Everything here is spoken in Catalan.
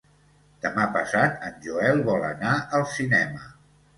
Demà passat en Joel vol anar al cinema.